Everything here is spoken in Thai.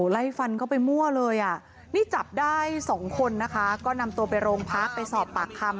ไล่พันธุ์ไปนี่จับได้สองคนนะคะก็นำตัวไปร่องพักไปสอบปากคำ